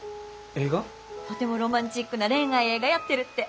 とてもロマンチックな恋愛映画やってるって。